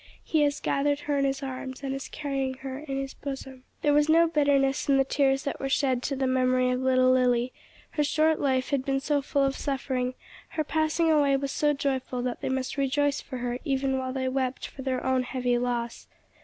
He has gathered her in his arms and is carrying her in his bosom." There was no bitterness in the tears that were shed to the memory of little Lily; her short life had been so full of suffering, her passing away was so joyful that they must rejoice for her even while they wept for their own heavy loss.